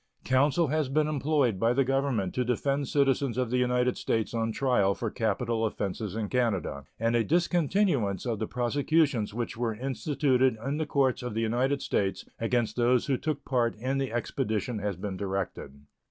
Counsel has been employed by the Government to defend citizens of the United States on trial for capital offenses in Canada, and a discontinuance of the prosecutions which were instituted in the courts of the United States against those who took part in the expedition has been directed.